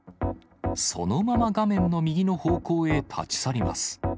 そのまま画面の右の方向へ立ち去ります。